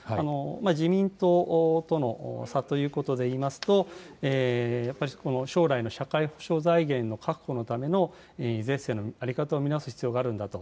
自民党との差ということでいいますと、やっぱり将来の社会保障財源の確保のための税制の在り方を見直す必要があるんだと。